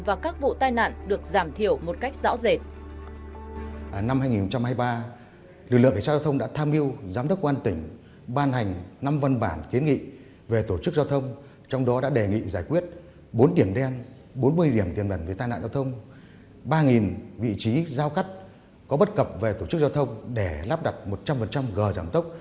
và các vụ tai nạn được giảm thiểu một cách rõ rệt